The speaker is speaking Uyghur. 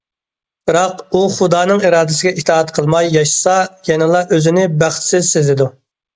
بىراق، ئۇ خۇدانىڭ ئىرادىسىگە ئىتائەت قىلماي ياشىسا، يەنىلا ئۆزىنى بەختسىز سېزىدۇ.